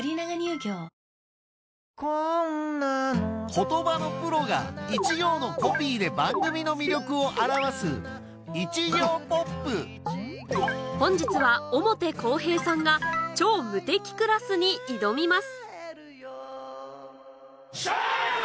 言葉のプロが一行のコピーで番組の魅力を表す本日は表公平さんが『超無敵クラス』に挑みますシャ！